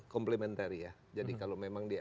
komplementari ya jadi kalau memang dia